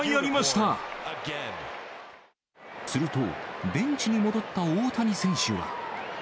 すると、ベンチに戻った大谷選手は。